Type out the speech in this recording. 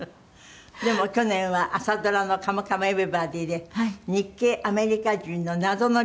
でも去年は朝ドラの『カムカムエヴリバディ』で日系アメリカ人の謎の人物を演じていて。